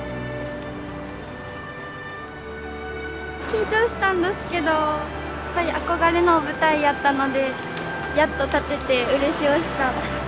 緊張したんどすけどやっぱり憧れのお舞台やったのでやっと立ててうれしおした。